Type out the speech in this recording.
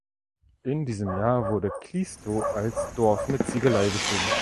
In diesem Jahr wurde Kliestow als „Dorf mit Ziegelei“ beschrieben.